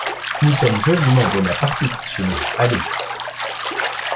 Nous sommes joliment bonapartistes chez nous, allez !